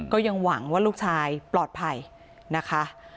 ก็ยังหวังว่าลูกชายปลอดภัยนะคะ